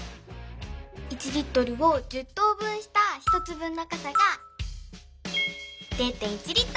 １Ｌを１０とう分した１つ分のかさが０．１Ｌ。